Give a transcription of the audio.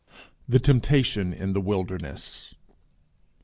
THE TEMPTATION IN THE WILDERNESS.